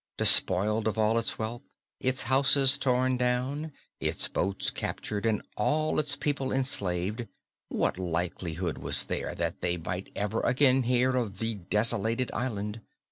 Despoiled of all its wealth, its houses torn down, its boats captured and all its people enslaved, what likelihood was there that they might ever again hear of the desolated island?